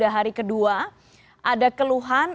hari kedua ada keluhan